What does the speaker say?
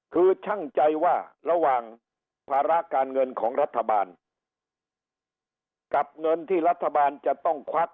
คือช่างใจว่าระหว่างภาระการเงินของรัฐบาลกับเงินที่รัฐบาลจะต้องควัก